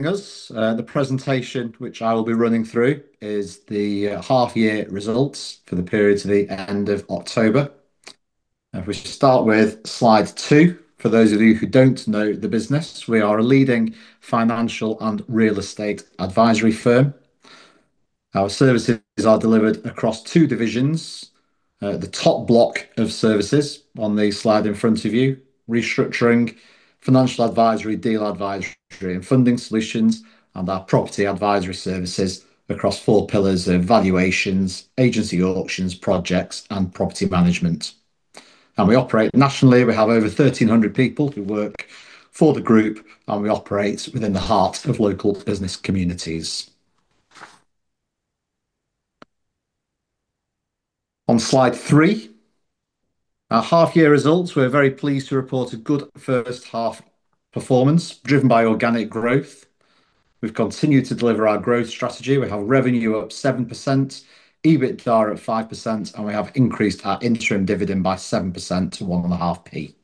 The presentation which I will be running through is the half-year results for the period to the end of October. If we start with Slide two, for those of you who don't know the business, we are a leading financial and real estate advisory firm. Our services are delivered across two divisions: the top block of services on the slide in front of you, Restructuring, Financial Advisory, Deal Advisory, and Funding Solutions, and our Property Advisory services across four pillars of Valuations, Agency Auctions, Projects, and Property Management, and we operate nationally. We have over 1,300 people who work for the Group, and we operate within the heart of local business communities. On Slide three, our half-year results, we're very pleased to report a good first half performance driven by organic growth. We've continued to deliver our growth strategy. We have revenue up 7%, EBITDA at 5%, and we have increased our interim dividend by 7% to 1.5p.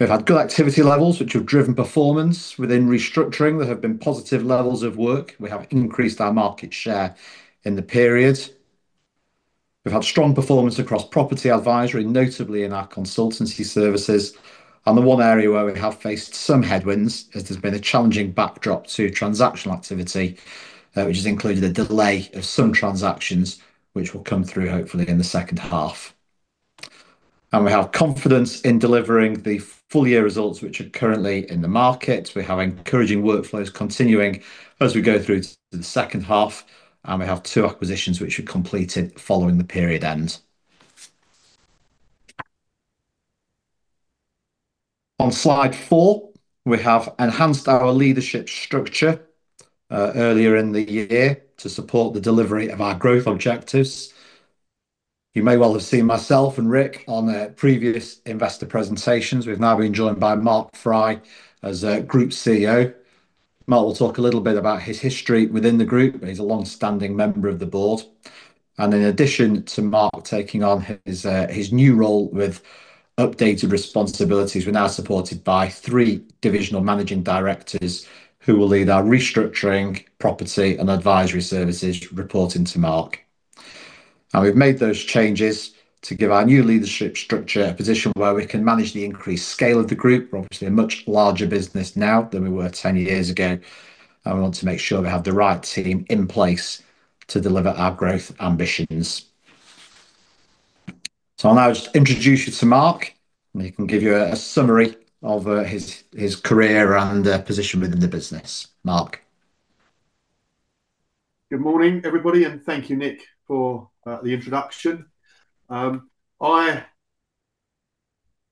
We've had good activity levels which have driven performance. Within restructuring, there have been positive levels of work. We have increased our market share in the period. We've had strong performance across property advisory, notably in our consultancy services. And the one area where we have faced some headwinds is there's been a challenging backdrop to transactional activity, which has included a delay of some transactions, which will come through hopefully in the second half. And we have confidence in delivering the full-year results which are currently in the market. We have encouraging workflows continuing as we go through to the second half, and we have two acquisitions which we completed following the period end. On Slide four, we have enhanced our leadership structure earlier in the year to support the delivery of our growth objectives. You may well have seen myself and Ric on previous investor presentations. We've now been joined by Mark Fry as a Group CEO. Mark will talk a little bit about his history within the group, but he's a long-standing member of the board. And in addition to Mark taking on his new role with updated responsibilities, we're now supported by three divisional managing directors who will lead our restructuring, property, and advisory services reporting to Mark. And we've made those changes to give our new leadership structure a position where we can manage the increased scale of the group. We're obviously a much larger business now than we were 10 years ago, and we want to make sure we have the right team in place to deliver our growth ambitions. So I'll now just introduce you to Mark, and he can give you a summary of his career and position within the business. Mark. Good morning, everybody, and thank you, Nick, for the introduction. I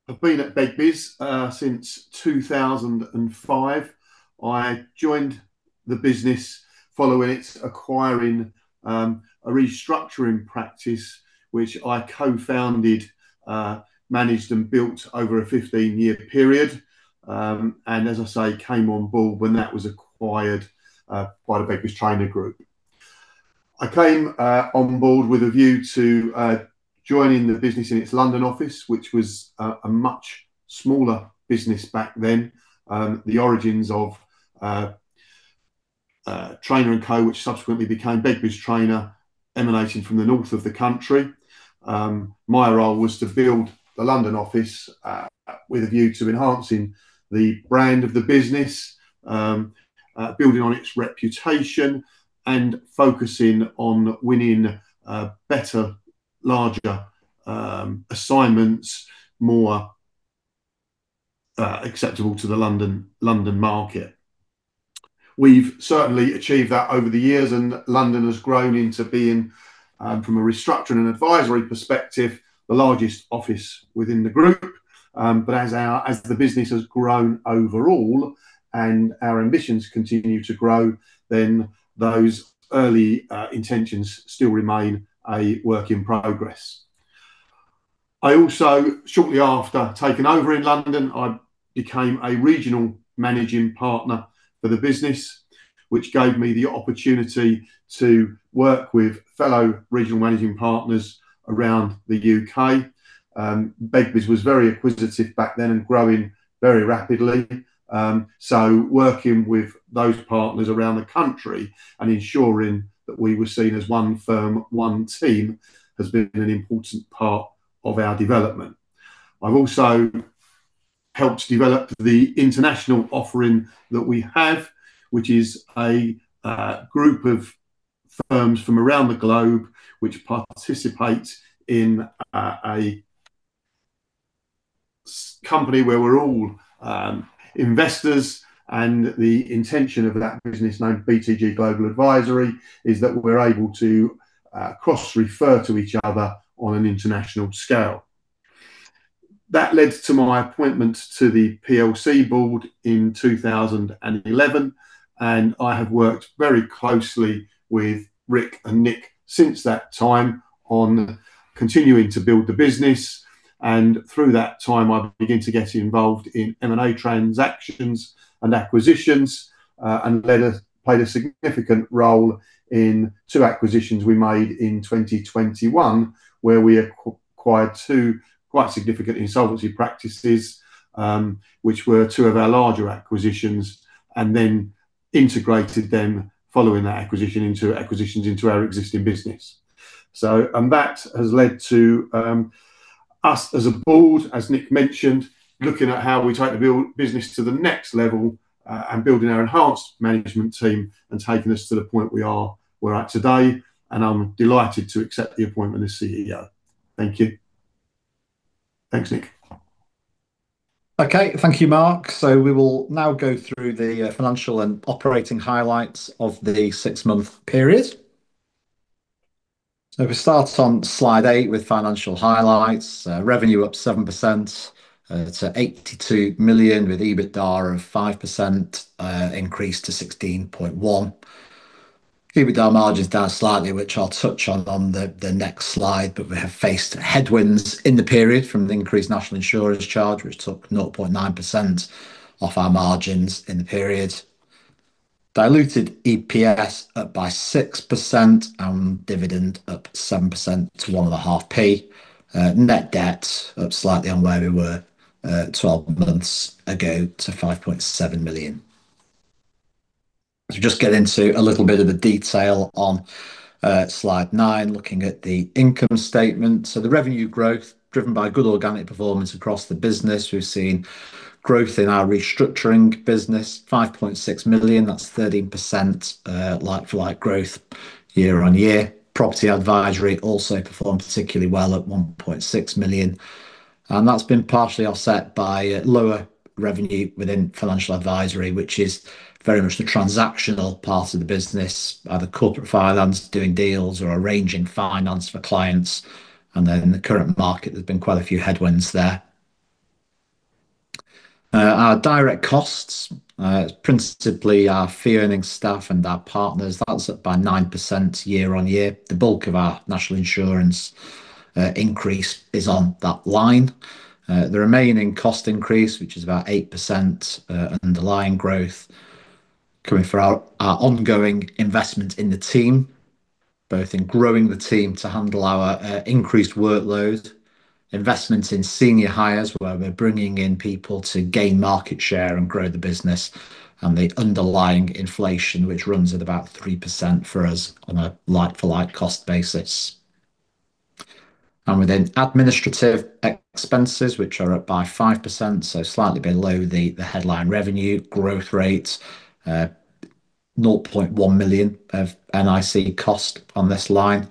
have been at Begbies since 2005. I joined the business following its acquiring a restructuring practice which I co-founded, managed, and built over a 15-year period, and as I say, came on board when that was acquired by the Begbies Traynor Group. I came on board with a view to joining the business in its London office, which was a much smaller business back then. The origins of Traynor & Co., which subsequently became Begbies Traynor, emanating from the North of the country. My role was to build the London office with a view to enhancing the brand of the business, building on its reputation, and focusing on winning better, larger assignments, more acceptable to the London market. We've certainly achieved that over the years, and London has grown into being, from a restructuring and advisory perspective, the largest office within the group. But as the business has grown overall and our ambitions continue to grow, then those early intentions still remain a work in progress. I also, shortly after taking over in London, I became a regional managing partner for the business, which gave me the opportunity to work with fellow regional managing partners around the U.K. Begbies was very acquisitive back then and growing very rapidly. So working with those partners around the country and ensuring that we were seen as one firm, one team has been an important part of our development. I've also helped develop the international offering that we have, which is a group of firms from around the globe which participate in a company where we're all investors. And the intention of that business, known as BTG Global Advisory, is that we're able to cross-refer to each other on an international scale. That led to my appointment to the PLC board in 2011, and I have worked very closely with Ric and Nick since that time on continuing to build the business. And through that time, I began to get involved in M&A transactions and acquisitions, and played a significant role in two acquisitions we made in 2021 where we acquired two quite significant insolvency practices, which were two of our larger acquisitions, and then integrated them following that acquisition into our existing business. So that has led to us as a board, as Nick mentioned, looking at how we take the business to the next level and building our enhanced management team and taking us to the point we are at today. I'm delighted to accept the appointment as CEO. Thank you. Thanks, Nick. Okay. Thank you, Mark. So we will now go through the financial and operating highlights of the six-month period. So if we start on Slide eight with financial highlights, revenue up 7% to 82 million with EBITDA up 5% to 16.1 million. EBITDA margins down slightly, which I'll touch on on the next slide, but we have faced headwinds in the period from the increased National Insurance charge, which took 0.9% off our margins in the period. Diluted EPS up by 6% and dividend up 7% to 1.5p. Net debt up slightly on where we were 12 months ago to 5.7 million. So just get into a little bit of the detail on Slide nine, looking at the income statement. So the revenue growth driven by good organic performance across the business. We've seen growth in our restructuring business, 5.6 million. That's 13% like-for-like growth year-on-year. Property advisory also performed particularly well at 1.6 million, and that's been partially offset by lower revenue within financial advisory, which is very much the transactional part of the business, either corporate finance doing deals or arranging finance for clients, and then the current market. There's been quite a few headwinds there. Our direct costs, principally our fee-earning staff and our partners, that's up by 9% year-on-year. The bulk of our National Insurance increase is on that line. The remaining cost increase, which is about 8% underlying growth, coming from our ongoing investment in the team, both in growing the team to handle our increased workload, investment in senior hires where we're bringing in people to gain market share and grow the business, and the underlying inflation, which runs at about 3% for us on a like-for-like cost basis. And within administrative expenses, which are up by 5%, so slightly below the headline revenue growth rate. 0.1 million of NIC cost on this line.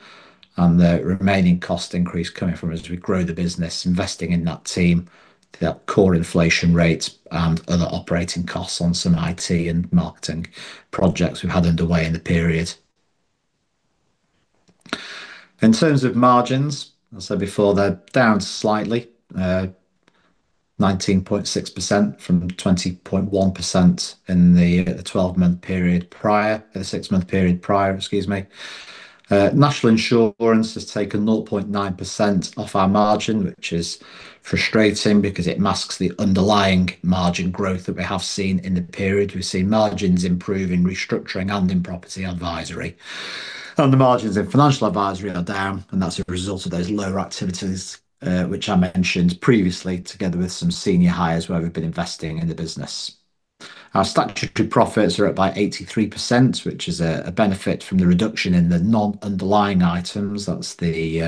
And the remaining cost increase coming from as we grow the business, investing in that team, that core inflation rate, and other operating costs on some IT and marketing projects we've had underway in the period. In terms of margins, as I said before, they're down slightly, 19.6% from 20.1% in the 12-month period prior, the six-month period prior, excuse me. National Insurance has taken 0.9% off our margin, which is frustrating because it masks the underlying margin growth that we have seen in the period. We've seen margins improve in restructuring and in property advisory. The margins in financial advisory are down, and that's a result of those lower activities which I mentioned previously together with some senior hires where we've been investing in the business. Our statutory profits are up by 83%, which is a benefit from the reduction in the non-underlying items. That's the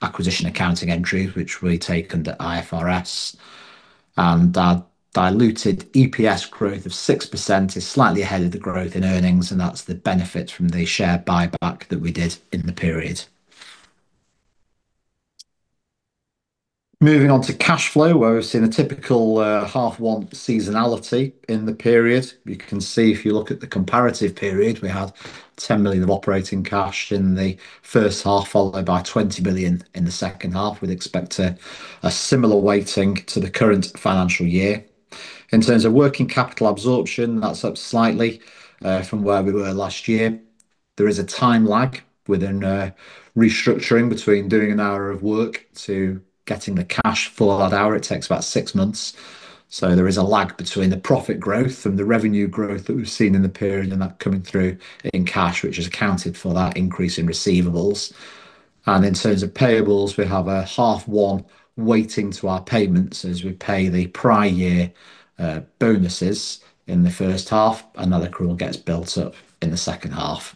acquisition accounting entries which we take under IFRS. And our diluted EPS growth of 6% is slightly ahead of the growth in earnings, and that's the benefit from the share buyback that we did in the period. Moving on to cash flow, where we've seen a typical half-year seasonality in the period. You can see if you look at the comparative period, we had 10 million of operating cash in the first half, followed by 20 million in the second half. We'd expect a similar weighting to the current financial year. In terms of working capital absorption, that's up slightly from where we were last year. There is a time lag within restructuring between doing an hour of work to getting the cash for that hour. It takes about six months. So there is a lag between the profit growth and the revenue growth that we've seen in the period and that coming through in cash, which has accounted for that increase in receivables. And in terms of payables, we have a half-month waiting to our payments as we pay the prior year bonuses in the first half. Another accrual gets built up in the second half.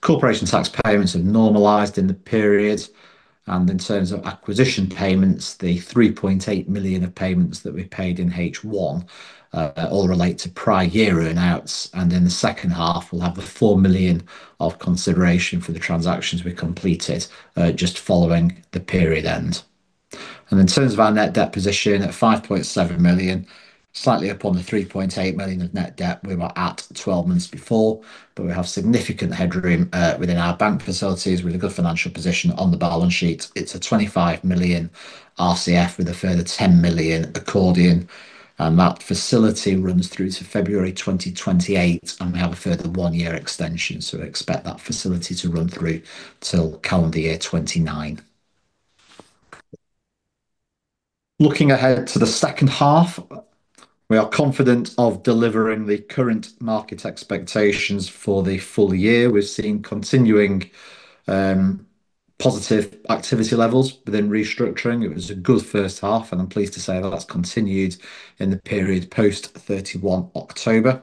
Corporation tax payments have normalized in the period. And in terms of acquisition payments, the 3.8 million of payments that we paid in H1 all relate to prior year earnouts. In the second half, we'll have the 4 million of consideration for the transactions we completed just following the period end. In terms of our net debt position at 5.7 million, slightly up on the 3.8 million of net debt we were at 12 months before, but we have significant headroom within our bank facilities with a good financial position on the balance sheet. It's a 25 million RCF with a further 10 million accordion. That facility runs through to February 2028, and we have a further one-year extension. We expect that facility to run through till calendar year 2029. Looking ahead to the second half, we are confident of delivering the current market expectations for the full year. We've seen continuing positive activity levels within restructuring. It was a good first half, and I'm pleased to say that's continued in the period post-31 October.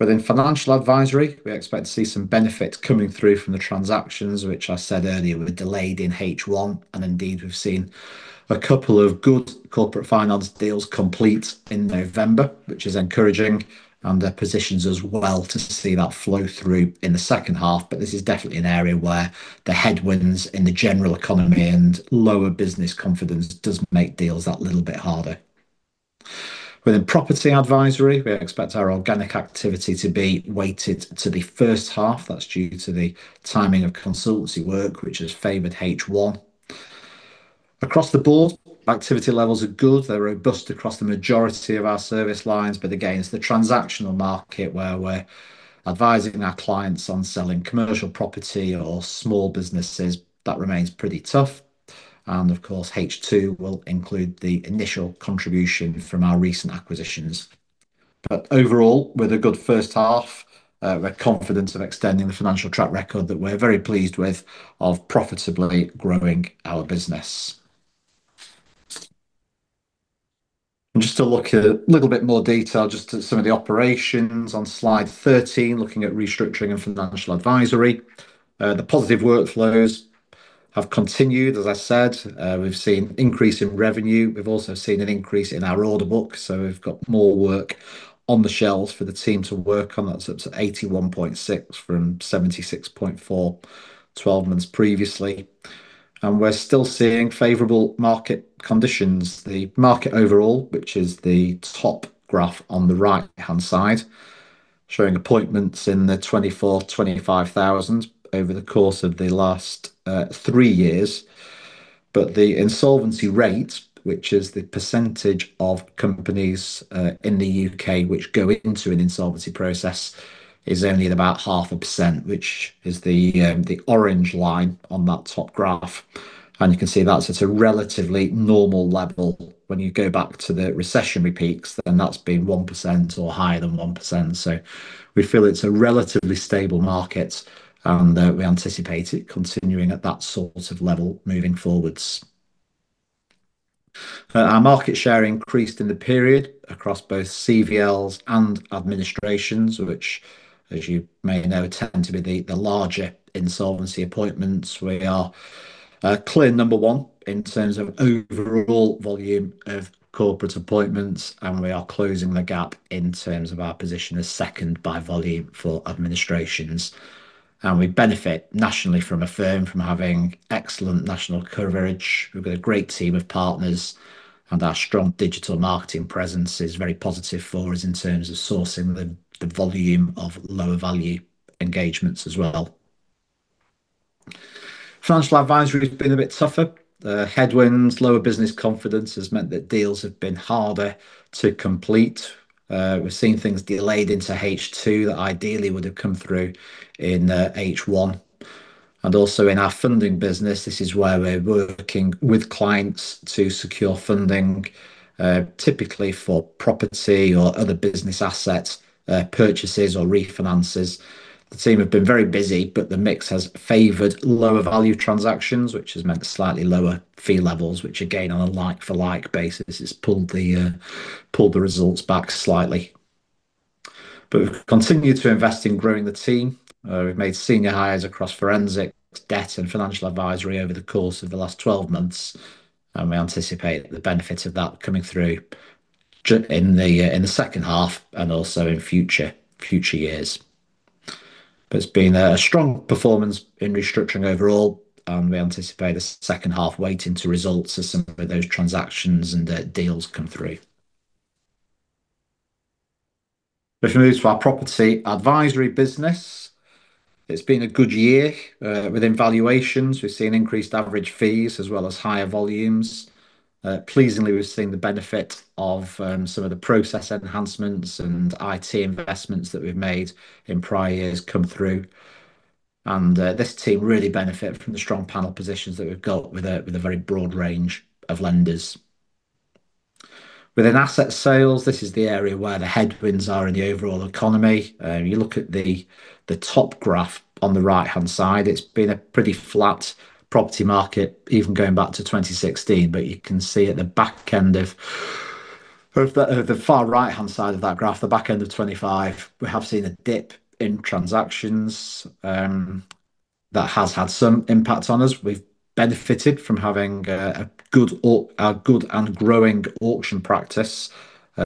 Within financial advisory, we expect to see some benefits coming through from the transactions, which I said earlier were delayed in H1, and indeed, we've seen a couple of good corporate finance deals complete in November, which is encouraging, and positions as well to see that flow through in the second half, but this is definitely an area where the headwinds in the general economy and lower business confidence do make deals that little bit harder. Within property advisory, we expect our organic activity to be weighted to the first half. That's due to the timing of consultancy work, which has favored H1. Across the board, activity levels are good. They're robust across the majority of our service lines, but again, it's the transactional market where we're advising our clients on selling commercial property or small businesses. That remains pretty tough. And of course, H2 will include the initial contribution from our recent acquisitions. But overall, with a good first half, we're confident of extending the financial track record that we're very pleased with of profitably growing our business. And just to look at a little bit more detail, just at some of the operations on Slide 13, looking at restructuring and financial advisory, the positive workflows have continued. As I said, we've seen an increase in revenue. We've also seen an increase in our order book. So we've got more work on the shelves for the team to work on. That's up to 81.6 from 76.4 12 months previously. And we're still seeing favorable market conditions. The market overall, which is the top graph on the right-hand side, showing appointments in the 24,000-25,000 over the course of the last three years. The insolvency rate, which is the percentage of companies in the U.K. which go into an insolvency process, is only about 0.5%, which is the orange line on that top graph. You can see that's at a relatively normal level. When you go back to the recessionary periods, then that's been 1% or higher than 1%. We feel it's a relatively stable market, and we anticipate it continuing at that sort of level moving forward. Our market share increased in the period across both CVLs and administrations, which, as you may know, tend to be the larger insolvency appointments. We are clear number one in terms of overall volume of corporate appointments, and we are closing the gap in terms of our position as second by volume for administrations. We benefit nationally from having excellent national coverage. We've got a great team of partners, and our strong digital marketing presence is very positive for us in terms of sourcing the volume of lower-value engagements as well. Financial advisory has been a bit tougher. Headwinds, lower business confidence has meant that deals have been harder to complete. We've seen things delayed into H2 that ideally would have come through in H1, and also in our funding business, this is where we're working with clients to secure funding, typically for property or other business asset purchases or refinances. The team have been very busy, but the mix has favored lower-value transactions, which has meant slightly lower fee levels, which again, on a like-for-like basis, has pulled the results back slightly, but we've continued to invest in growing the team. We've made senior hires across forensics, debt, and financial advisory over the course of the last 12 months. We anticipate the benefit of that coming through in the second half and also in future years. But it's been a strong performance in restructuring overall, and we anticipate the second half weighting to results as some of those transactions and deals come through. If we move to our property advisory business, it's been a good year. Within valuations, we've seen increased average fees as well as higher volumes. Pleasingly, we've seen the benefit of some of the process enhancements and IT investments that we've made in prior years come through. And this team really benefited from the strong panel positions that we've got with a very broad range of lenders. Within asset sales, this is the area where the headwinds are in the overall economy. You look at the top graph on the right-hand side. It's been a pretty flat property market, even going back to 2016. But you can see at the back end of the far right-hand side of that graph, the back end of 2025, we have seen a dip in transactions that has had some impact on us. We've benefited from having a good and growing auction practice,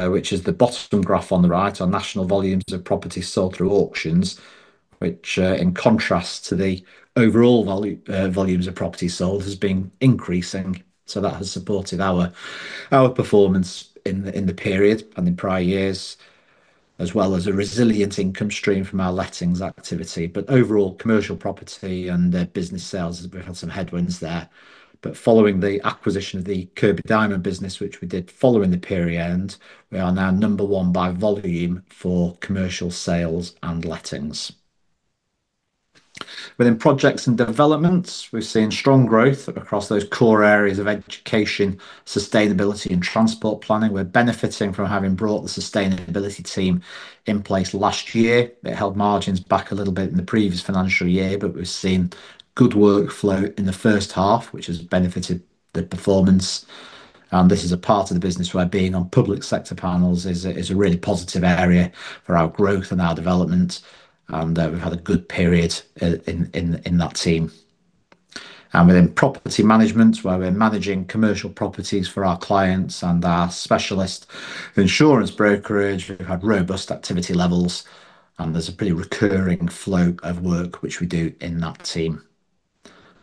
which is the bottom graph on the right, on national volumes of property sold through auctions, which, in contrast to the overall volumes of property sold, has been increasing. So that has supported our performance in the period and in prior years, as well as a resilient income stream from our lettings activity. But overall, commercial property and business sales, we've had some headwinds there. But following the acquisition of the Kirkby Diamond Business, which we did following the period, we are now number one by volume for commercial sales and lettings. Within projects and developments, we've seen strong growth across those core areas of education, sustainability, and transport planning. We're benefiting from having brought the sustainability team in place last year. It held margins back a little bit in the previous financial year, but we've seen good workflow in the first half, which has benefited the performance, and this is a part of the business where being on public sector panels is a really positive area for our growth and our development, and we've had a good period in that team, and within Property Management, where we're managing commercial properties for our clients and our specialist insurance brokerage, we've had robust activity levels. And there's a pretty recurring flow of work, which we do in that team.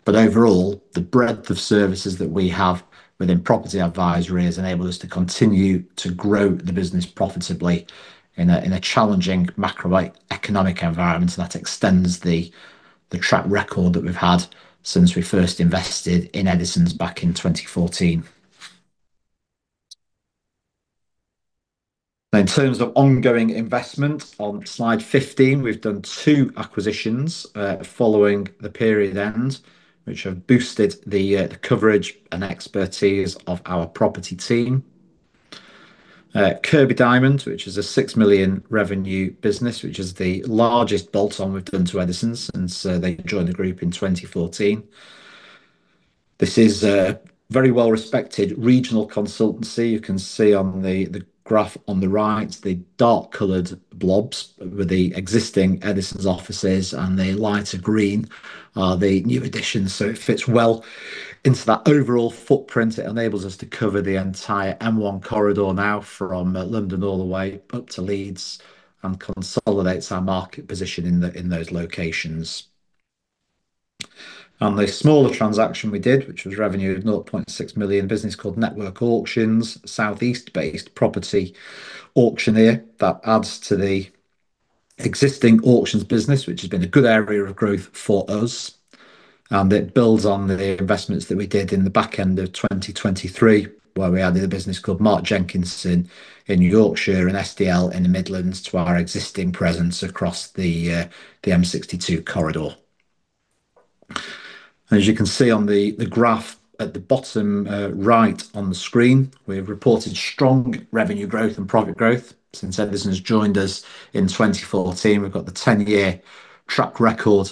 But overall, the breadth of services that we have within property advisory has enabled us to continue to grow the business profitably in a challenging macroeconomic environment. And that extends the track record that we've had since we first invested in Eddisons back in 2014. In terms of ongoing investment, on Slide 15, we've done two acquisitions following the period end, which have boosted the coverage and expertise of our property team. Kirkby Diamond, which is a six million revenue business, which is the largest bolt-on we've done to Eddisons, since they joined the group in 2014. This is a very well-respected regional consultancy. You can see on the graph on the right, the dark-colored blobs with the existing Eddisons offices, and the lighter green are the new additions. So it fits well into that overall footprint. It enables us to cover the entire M1 corridor now from London all the way up to Leeds and consolidates our market position in those locations. And the smaller transaction we did, which was revenue of 0.6 million, a business called Network Auctions, a Southeast-based property auctioneer that adds to the existing auctions business, which has been a good area of growth for us. And it builds on the investments that we did in the back end of 2023, where we added a business called Mark Jenkinson in Yorkshire and SDL in the Midlands to our existing presence across the M62 corridor. As you can see on the graph at the bottom right on the screen, we've reported strong revenue growth and profit growth since Eddisons joined us in 2014. We've got the 10-year track record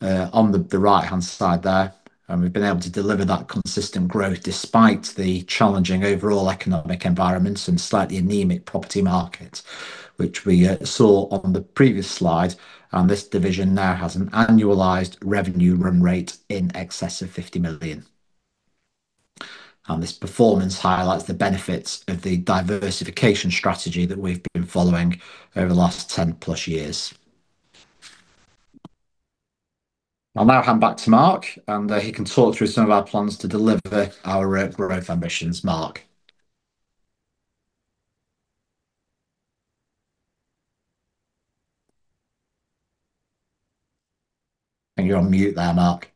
on the right-hand side there. We've been able to deliver that consistent growth despite the challenging overall economic environment and slightly anemic property market, which we saw on the previous slide. This division now has an annualized revenue run rate in excess of 50 million. This performance highlights the benefits of the diversification strategy that we've been following over the last 10 plus years. I'll now hand back to Mark, and he can talk through some of our plans to deliver our growth ambitions. Mark, you're on mute there, Mark.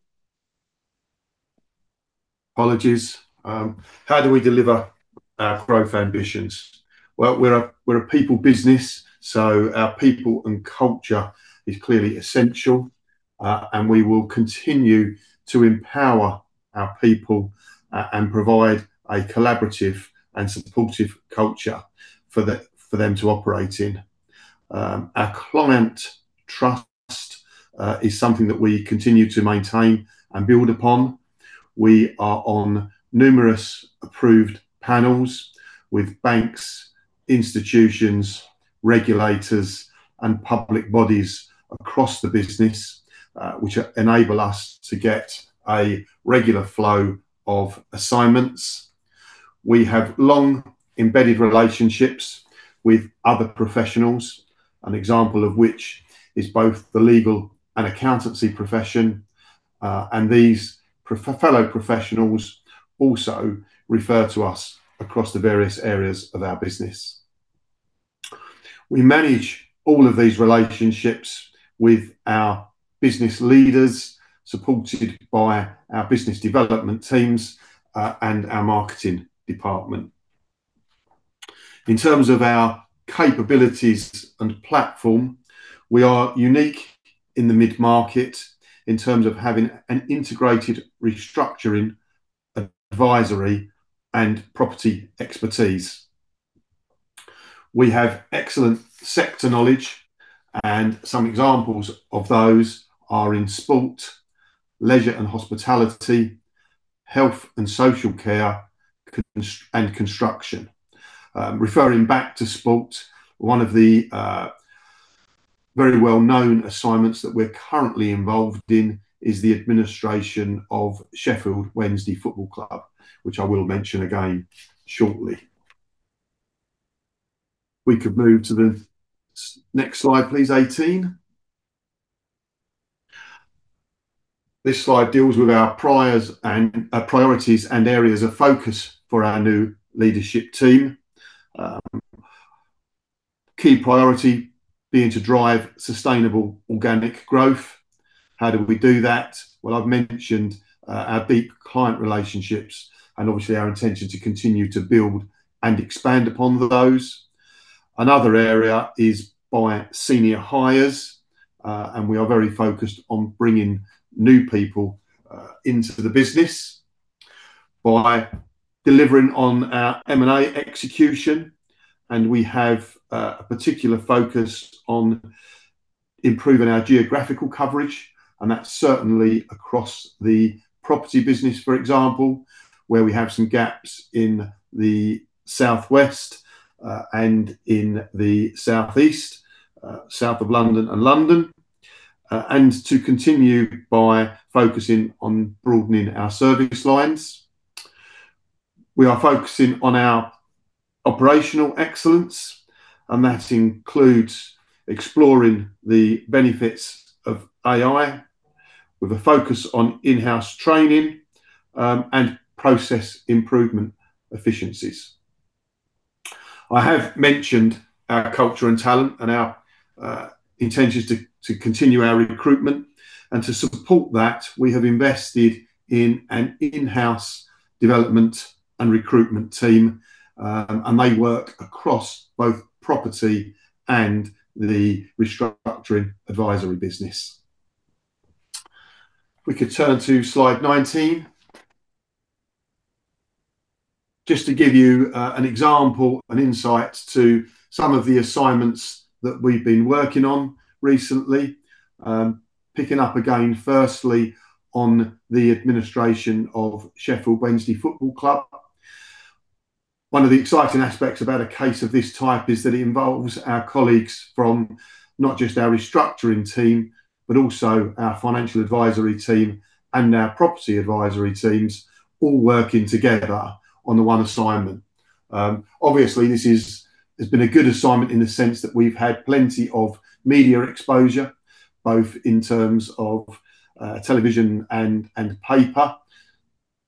Apologies. How do we deliver our growth ambitions? We're a people business, so our people and culture is clearly essential. We will continue to empower our people and provide a collaborative and supportive culture for them to operate in. Our client trust is something that we continue to maintain and build upon. We are on numerous approved panels with banks, institutions, regulators, and public bodies across the business, which enable us to get a regular flow of assignments. We have long embedded relationships with other professionals, an example of which is both the Legal and Accountancy profession, and these fellow professionals also refer to us across the various areas of our business. We manage all of these relationships with our business leaders, supported by our Business Development teams and our Marketing Department. In terms of our capabilities and platform, we are unique in the mid-market in terms of having an integrated restructuring advisory and property expertise. We have excellent sector knowledge, and some examples of those are in Sport, Leisure and Hospitality, Health and Social Care, and Construction. Referring back to Sport, one of the very well-known assignments that we're currently involved in is the administration of Sheffield Wednesday Football Club, which I will mention again shortly. We could move to the next slide, please, 18. This slide deals with our priorities and areas of focus for our new Leadership Team. Key priority being to drive sustainable organic growth. How do we do that? Well, I've mentioned our deep client relationships and obviously our intention to continue to build and expand upon those. Another area is by senior hires, and we are very focused on bringing new people into the business by delivering on our M&A execution. And we have a particular focus on improving our geographical coverage. and that's certainly across the property business, for example, where we have some gaps in the Southwest and in the Southeast, South of London and London, and to continue by focusing on broadening our service lines. We are focusing on our operational excellence, and that includes exploring the benefits of AI with a focus on in-house training and process improvement efficiencies. I have mentioned our culture and talent and our intentions to continue our recruitment, and to support that, we have invested in an in-house development and recruitment team, and they work across both Property and the Restructuring Advisory business. We could turn to Slide 19 just to give you an example and insight to some of the assignments that we've been working on recently, picking up again, firstly, on the administration of Sheffield Wednesday Football Club. One of the exciting aspects about a case of this type is that it involves our colleagues from not just our restructuring team, but also our Financial Advisory Team and our Property Advisory Teams all working together on the one assignment. Obviously, this has been a good assignment in the sense that we've had plenty of media exposure, both in terms of television and paper,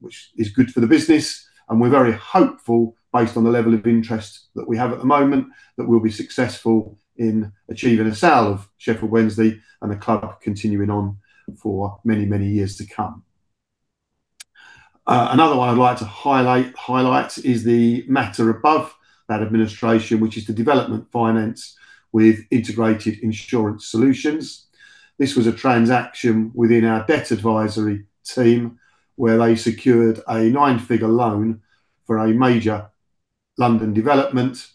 which is good for the business, and we're very hopeful, based on the level of interest that we have at the moment, that we'll be successful in achieving a sale of Sheffield Wednesday and the club continuing on for many, many years to come. Another one I'd like to highlight is the matter above that administration, which is the development finance with integrated insurance solutions. This was a transaction within our Debt Advisory Team where they secured a nine-figure loan for a major London development.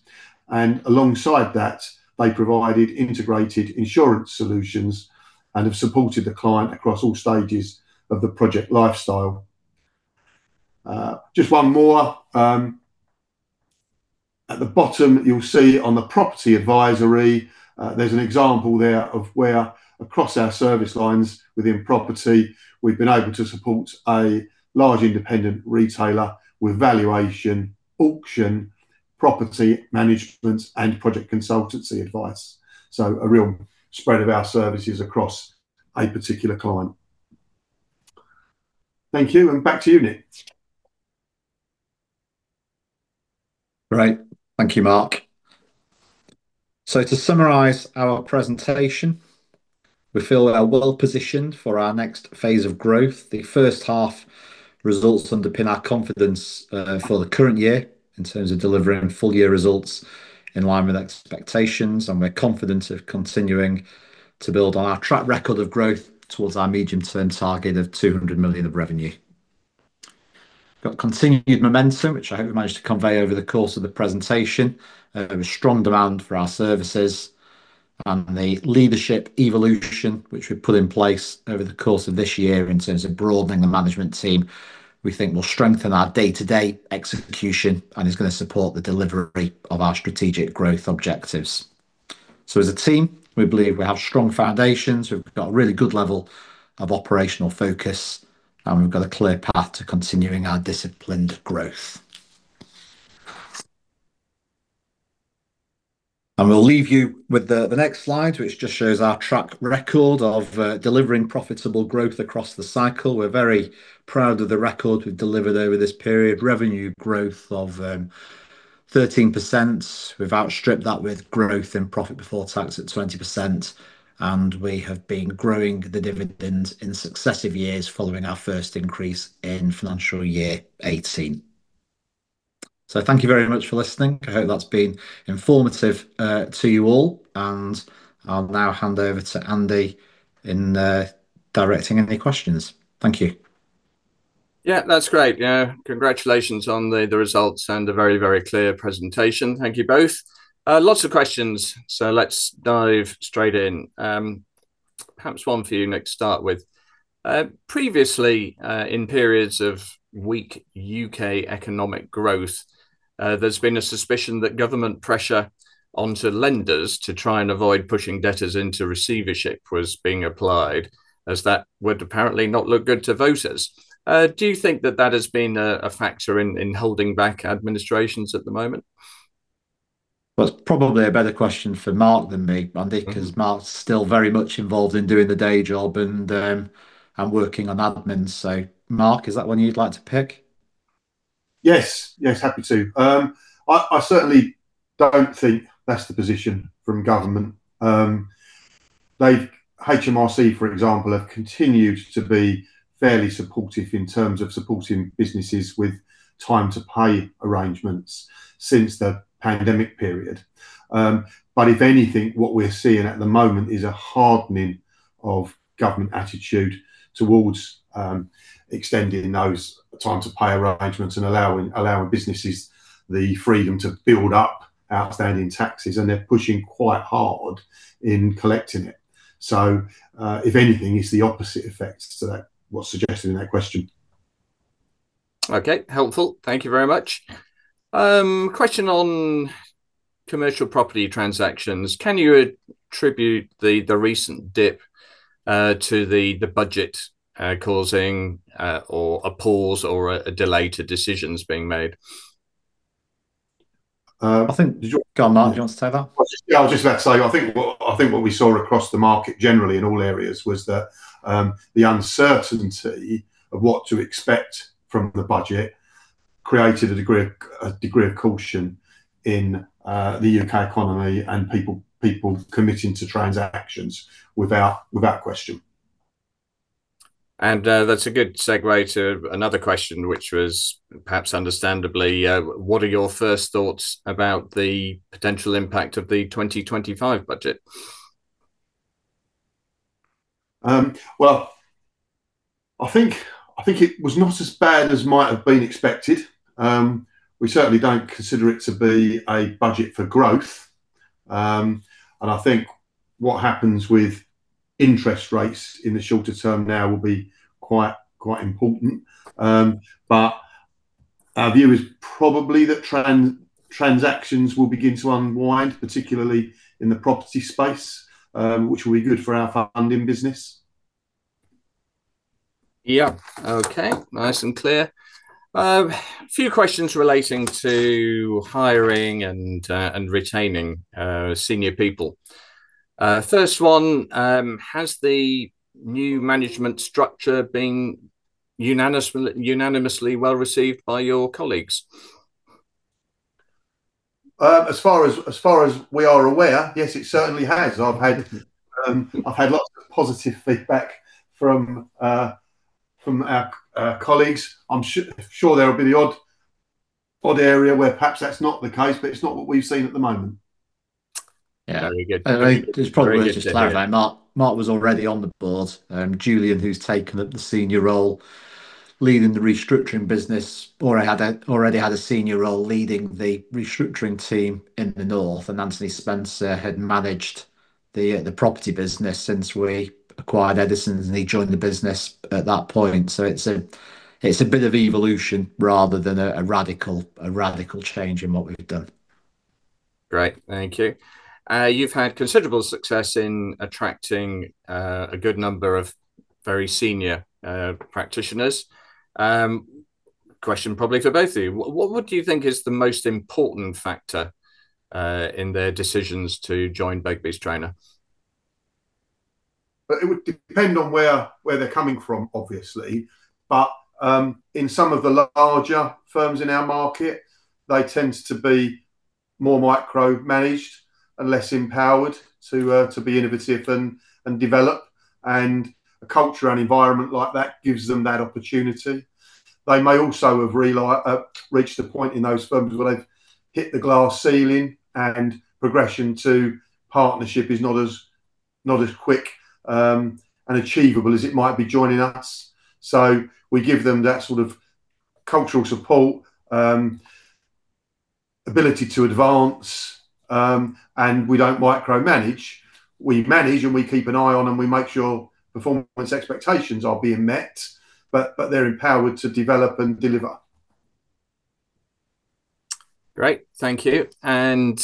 And alongside that, they provided integrated insurance solutions and have supported the client across all stages of the project lifecycle. Just one more. At the bottom, you'll see on the Property Advisory, there's an example there of where, across our service lines within property, we've been able to support a large independent retailer with valuation, auction, property management, and project consultancy advice. So a real spread of our services across a particular client. Thank you. And back to you, Nick. Great. Thank you, Mark. So to summarize our presentation, we feel we are well-positioned for our next phase of growth. The first half results underpin our confidence for the current year in terms of delivering full-year results in line with expectations. And we're confident of continuing to build on our track record of growth towards our medium-term target of 200 million of revenue. We've got continued momentum, which I hope we managed to convey over the course of the presentation, with strong demand for our services. And the leadership evolution, which we've put in place over the course of this year in terms of broadening the management team, we think will strengthen our day-to-day execution and is going to support the delivery of our strategic growth objectives. So as a team, we believe we have strong foundations. We've got a really good level of operational focus, and we've got a clear path to continuing our disciplined growth. And we'll leave you with the next slide, which just shows our track record of delivering profitable growth across the cycle. We're very proud of the record we've delivered over this period, revenue growth of 13%. We've outstripped that with growth in profit before tax at 20%. We have been growing the dividends in successive years following our first increase in financial year 2018. So thank you very much for listening. I hope that's been informative to you all. And I'll now hand over to Andy in directing any questions. Thank you. Yeah, that's great. Congratulations on the results and a very, very clear presentation. Thank you both. Lots of questions, so let's dive straight in. Perhaps one for you, Nick, to start with. Previously, in periods of weak U.K. economic growth, there's been a suspicion that government pressure onto lenders to try and avoid pushing debtors into receivership was being applied, as that would apparently not look good to voters. Do you think that that has been a factor in holding back administrations at the moment? It's probably a better question for Mark than me, Andy, because Mark's still very much involved in doing the day job and working on admin, so Mark, is that one you'd like to pick? Yes. Yes, happy to. I certainly don't think that's the position from government. HMRC, for example, have continued to be fairly supportive in terms of supporting businesses with time-to-pay arrangements since the pandemic period, but if anything, what we're seeing at the moment is a hardening of government attitude towards extending those time-to-pay arrangements and allowing businesses the freedom to build up outstanding taxes, and they're pushing quite hard in collecting it, so if anything, it's the opposite effect to what's suggested in that question. Okay. Helpful. Thank you very much. Question on commercial property transactions. Can you attribute the recent dip to the budget causing a pause or a delay to decisions being made? I think, did you want to go on, Mark? Did you want to say that? Yeah, I was just about to say, I think what we saw across the market generally in all areas was that the uncertainty of what to expect from the budget created a degree of caution in the U.K. economy and people committing to transactions without question. And that's a good segway to another question, which was, perhaps, understandably. What are your first thoughts about the potential impact of the 2025 budget? Well, I think it was not as bad as might have been expected. We certainly don't consider it to be a budget for growth. And I think what happens with interest rates in the shorter term now will be quite important. But our view is probably that transactions will begin to unwind, particularly in the property space, which will be good for our funding business. Yeah. Okay. Nice and clear. A few questions relating to hiring and retaining senior people. First one, has the new management structure been unanimously well received by your colleagues? As far as we are aware, yes, it certainly has. I've had lots of positive feedback from our colleagues. I'm sure there will be the odd area where perhaps that's not the case, but it's not what we've seen at the moment. Yeah. Very good. Just probably to clarify, Mark was already on the board. Julian, who's taken up the senior role leading the restructuring business, already had a senior role leading the restructuring team in the North. Anthony Spencer had managed the property business since we acquired Eddisons, and he joined the business at that point. So it's a bit of evolution rather than a radical change in what we've done. Great. Thank you. You've had considerable success in attracting a good number of very senior practitioners. Question probably for both of you. What do you think is the most important factor in their decisions to join Begbies Traynor? It would depend on where they're coming from, obviously. But in some of the larger firms in our market, they tend to be more micromanaged and less empowered to be innovative and develop. And a culture and environment like that gives them that opportunity. They may also have reached a point in those firms where they've hit the glass ceiling and progression to partnership is not as quick and achievable as it might be joining us. So we give them that sort of cultural support, ability to advance, and we don't micromanage. We manage and we keep an eye on, and we make sure performance expectations are being met, but they're empowered to develop and deliver. Great. Thank you. And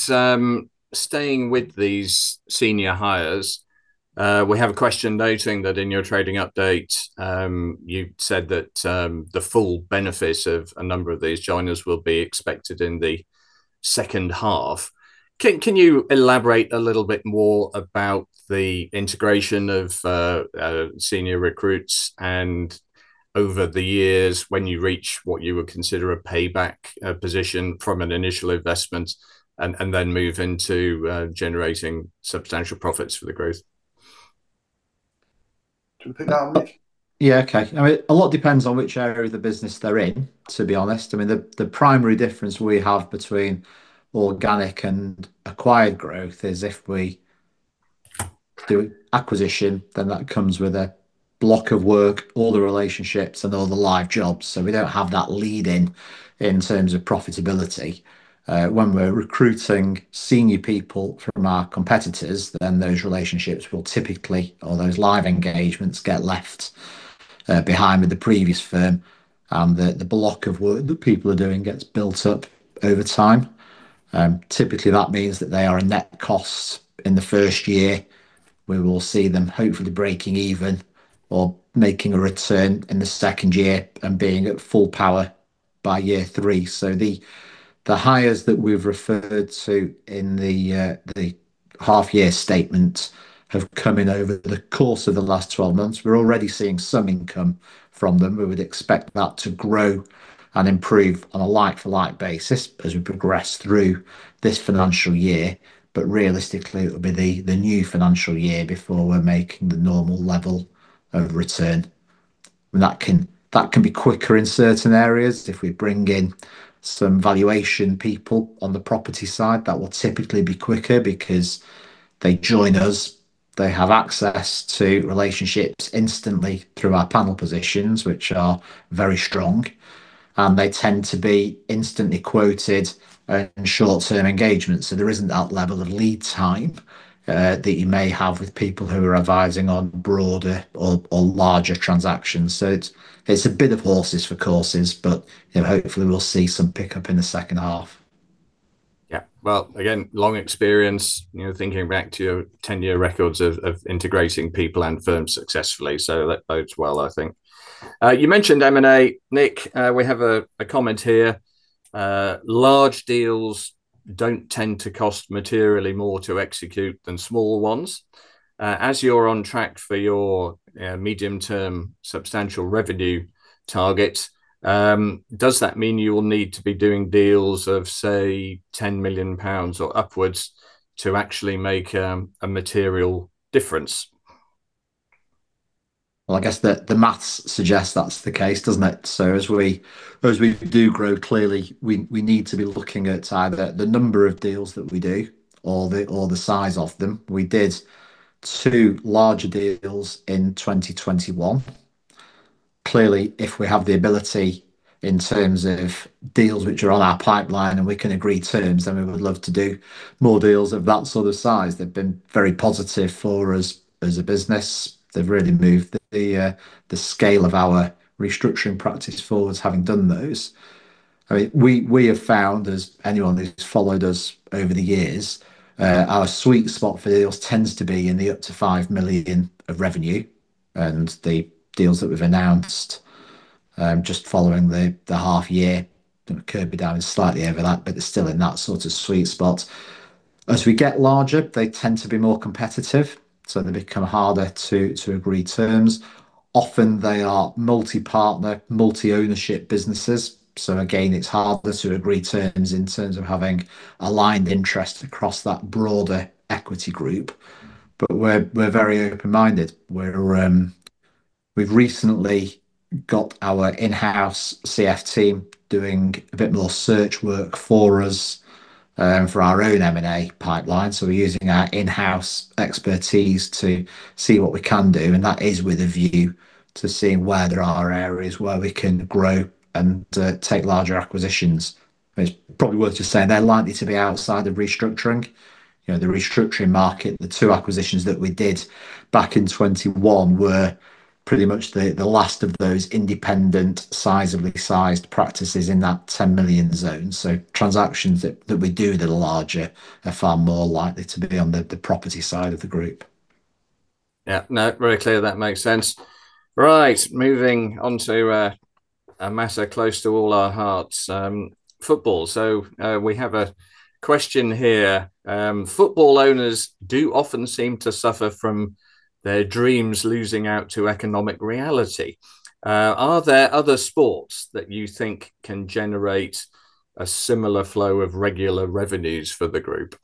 staying with these senior hires, we have a question noting that in your trading update, you said that the full benefits of a number of these joiners will be expected in the second half. Can you elaborate a little bit more about the integration of senior recruits and over the years when you reach what you would consider a payback position from an initial investment and then move into generating substantial profits for the growth? Do you think that'll make? Yeah. Okay. I mean, a lot depends on which area of the business they're in, to be honest. I mean, the primary difference we have between organic and acquired growth is if we do acquisition, then that comes with a block of work, all the relationships, and all the live jobs. So we don't have that lead-in in terms of profitability. When we're recruiting senior people from our competitors, then those relationships will typically, or those live engagements, get left behind with the previous firm. And the block of work that people are doing gets built up over time. Typically, that means that they are a net cost in the first year. We will see them hopefully breaking even or making a return in the second year and being at full power by year three. So the hires that we've referred to in the half-year statement have come in over the course of the last 12 months. We're already seeing some income from them. We would expect that to grow and improve on a like-for-like basis as we progress through this financial year, but realistically, it will be the new financial year before we're making the normal level of return, and that can be quicker in certain areas. If we bring in some valuation people on the property side, that will typically be quicker because they join us. They have access to relationships instantly through our panel positions, which are very strong, and they tend to be instantly quoted in short-term engagements, so there isn't that level of lead time that you may have with people who are advising on broader or larger transactions, so it's a bit of horses for courses, but hopefully, we'll see some pickup in the second half. Yeah, well, again, long experience, thinking back to your 10-year records of integrating people and firms successfully. That bodes well, I think. You mentioned M&A. Nick, we have a comment here. Large deals don't tend to cost materially more to execute than small ones. As you're on track for your medium-term substantial revenue target, does that mean you will need to be doing deals of, say, 10 million pounds or upwards to actually make a material difference? Well, I guess the math suggests that's the case, doesn't it? As we do grow, clearly, we need to be looking at either the number of deals that we do or the size of them. We did two larger deals in 2021. Clearly, if we have the ability in terms of deals which are on our pipeline and we can agree terms, then we would love to do more deals of that sort of size. They've been very positive for us as a business. They've really moved the scale of our restructuring practice forward having done those. I mean, we have found, as anyone who's followed us over the years, our sweet spot for deals tends to be in the up to 5 million of revenue, and the deals that we've announced just following the half-year could be down slightly over that, but they're still in that sort of sweet spot. As we get larger, they tend to be more competitive, so they become harder to agree terms. Often, they are multi-partner, multi-ownership businesses, so again, it's harder to agree terms in terms of having aligned interests across that broader equity group, but we're very open-minded. We've recently got our in-house CF team doing a bit more search work for us for our own M&A pipeline, so we're using our in-house expertise to see what we can do. And that is with a view to seeing where there are areas where we can grow and take larger acquisitions. It's probably worth just saying they're likely to be outside of restructuring. The restructuring market, the two acquisitions that we did back in 2021 were pretty much the last of those independent sizably sized practices in that 10 million zone. So transactions that we do that are larger are far more likely to be on the property side of the group. Yeah. No, very clear. That makes sense. Right. Moving on to a matter close to all our hearts, football. So we have a question here. Football owners do often seem to suffer from their dreams losing out to economic reality. Are there other sports that you think can generate a similar flow of regular revenues for the Group?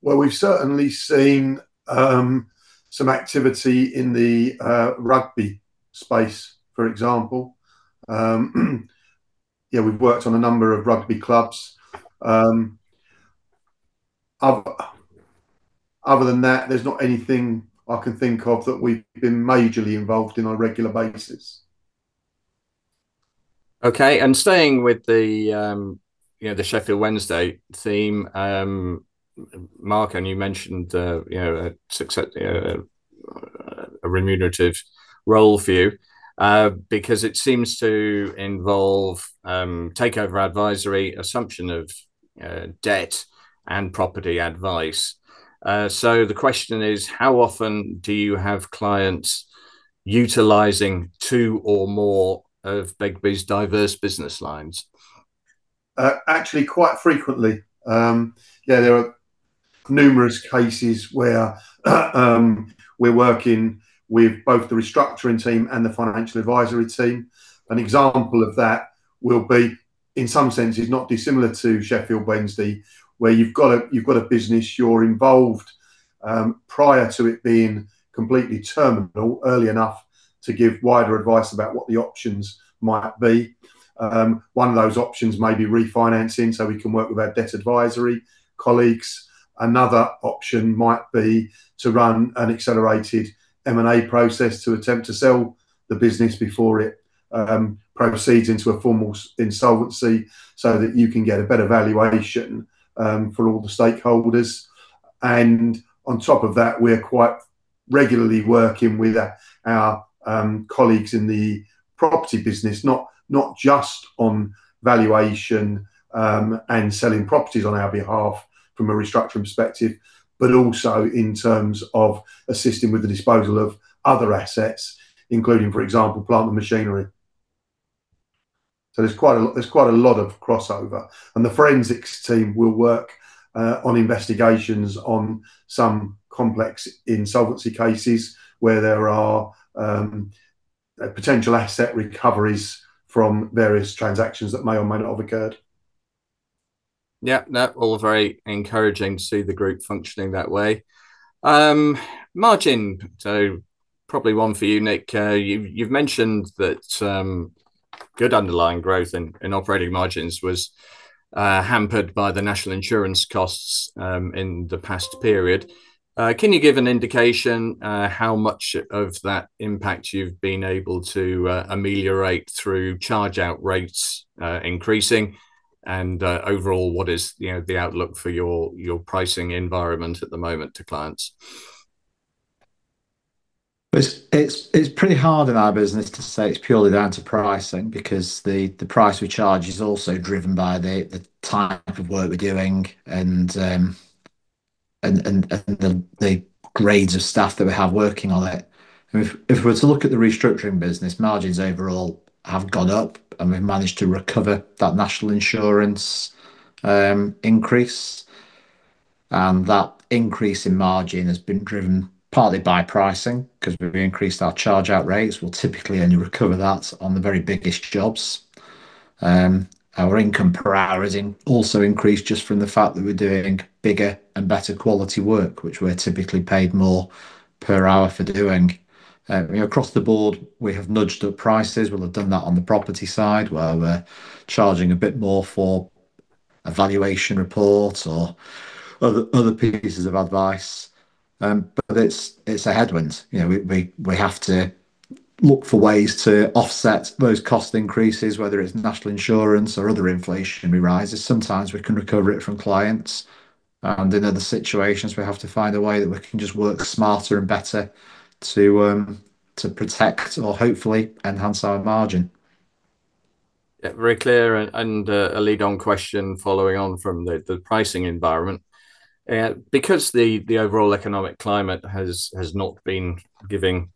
We've certainly seen some activity in the rugby space, for example. Yeah, we've worked on a number of rugby clubs. Other than that, there's not anything I can think of that we've been majorly involved in on a regular basis. Okay. Staying with the Sheffield Wednesday theme, Mark, I know you mentioned a remunerative role for you because it seems to involve takeover advisory, assumption of debt, and property advice. So the question is, how often do you have clients utilizing two or more of Begbies' diverse business lines? Actually, quite frequently. Yeah, there are numerous cases where we're working with both the Restructuring Team and the Financial Advisory Team. An example of that will be, in some sense, is not dissimilar to Sheffield Wednesday, where you've got a business you're involved prior to it being completely terminal early enough to give wider advice about what the options might be. One of those options may be refinancing so we can work with our Debt Advisory colleagues. Another option might be to run an accelerated M&A process to attempt to sell the business before it proceeds into a formal insolvency so that you can get a better valuation for all the stakeholders. And on top of that, we're quite regularly working with our colleagues in the Property Business, not just on valuation and selling properties on our behalf from a restructuring perspective, but also in terms of assisting with the disposal of other assets, including, for example, plant and machinery. So there's quite a lot of crossover. The Forensics Team will work on investigations on some complex insolvency cases where there are potential asset recoveries from various transactions that may or may not have occurred. Yeah. No, all very encouraging to see the group functioning that way. Margin, so probably one for you, Nick. You've mentioned that good underlying growth in operating margins was hampered by the National Insurance costs in the past period. Can you give an indication how much of that impact you've been able to ameliorate through charge-out rates increasing? And overall, what is the outlook for your pricing environment at the moment to clients? It's pretty hard in our business to say it's purely down to pricing because the price we charge is also driven by the type of work we're doing and the grades of staff that we have working on it. If we were to look at the restructuring business, margins overall have gone up, and we've managed to recover that National Insurance increase, and that increase in margin has been driven partly by pricing because we've increased our charge-out rates. We'll typically only recover that on the very biggest jobs. Our income per hour has also increased just from the fact that we're doing bigger and better quality work, which we're typically paid more per hour for doing. Across the board, we have nudged up prices. We'll have done that on the property side where we're charging a bit more for a valuation report or other pieces of advice, but it's a headwind. We have to look for ways to offset those cost increases, whether it's National Insurance or other inflationary rises. Sometimes we can recover it from clients. And in other situations, we have to find a way that we can just work smarter and better to protect or hopefully enhance our margin. Yeah. Very clear. And a follow-on question following on from the pricing environment. Because the overall economic climate has not been giving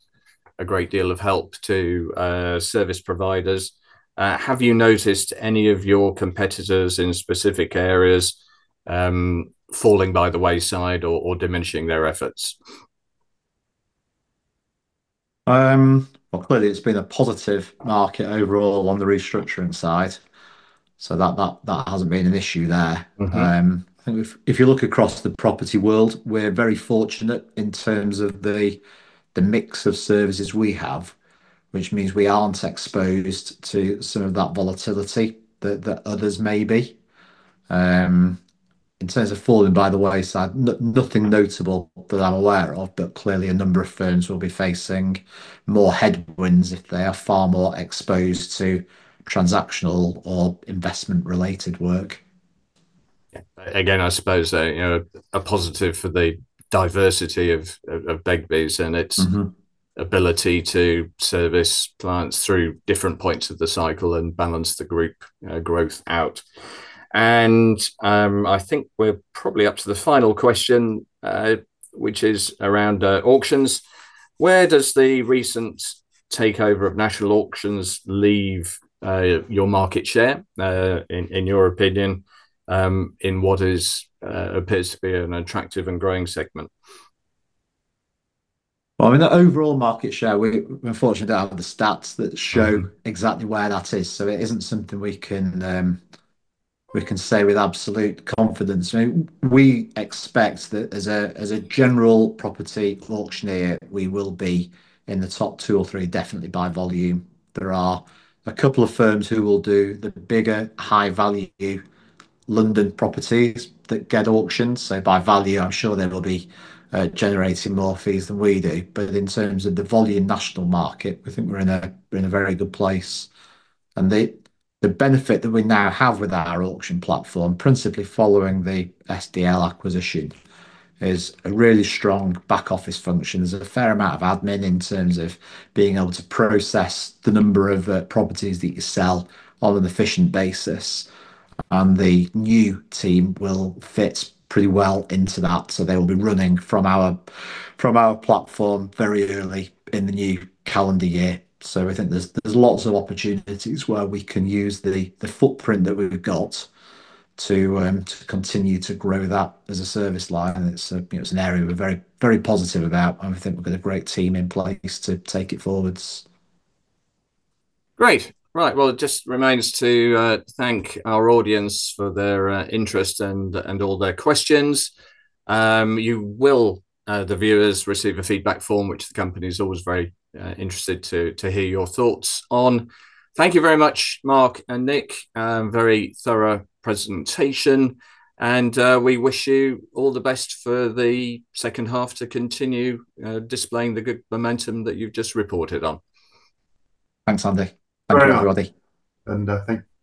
a great deal of help to service providers, have you noticed any of your competitors in specific areas falling by the wayside or diminishing their efforts? Not clearly. It's been a positive market overall on the restructuring side. So that hasn't been an issue there. I think if you look across the property world, we're very fortunate in terms of the mix of services we have, which means we aren't exposed to some of that volatility that others may be. In terms of falling by the wayside, nothing notable that I'm aware of, but clearly a number of firms will be facing more headwinds if they are far more exposed to transactional or investment-related work. Yeah. Again, I suppose a positive for the diversity of Begbies and its ability to service clients through different points of the cycle and balance the Group growth out, and I think we're probably up to the final question, which is around auctions. Where does the recent takeover of National Auctions leave your market share, in your opinion, in what appears to be an attractive and growing segment? Well, I mean, the overall market share, we're fortunate to have the stats that show exactly where that is. So it isn't something we can say with absolute confidence. I mean, we expect that as a general property auctioneer, we will be in the top two or three, definitely by volume. There are a couple of firms who will do the bigger high-value London properties that get auctioned. So by value, I'm sure they will be generating more fees than we do. But in terms of the volume national market, we think we're in a very good place. And the benefit that we now have with our auction platform, principally following the SDL acquisition, is a really strong back-office function. There's a fair amount of admin in terms of being able to process the number of properties that you sell on an efficient basis. And the new team will fit pretty well into that. So they will be running from our platform very early in the new calendar year. So I think there's lots of opportunities where we can use the footprint that we've got to continue to grow that as a service line. It's an area we're very positive about, and we think we've got a great team in place to take it forwards. Great. Right. Well, it just remains to thank our audience for their interest and all their questions. You will, the viewers, receive a feedback form, which the company is always very interested to hear your thoughts on. Thank you very much, Mark and Nick. Very thorough presentation. And we wish you all the best for the second half to continue displaying the good momentum that you've just reported on. Thanks, Andy. Thank you, everybody. And thank you. Yeah. Cool.